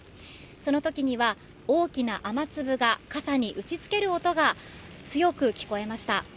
そのときには、大きな雨粒が傘に打ちつける音が強く聞こえました。